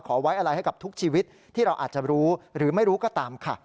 ไว้อะไรให้กับทุกชีวิตที่เราอาจจะรู้หรือไม่รู้ก็ตามค่ะ